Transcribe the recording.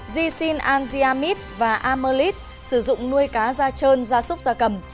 gisin alziamid và amylid sử dụng nuôi cá da trơn da súc da cầm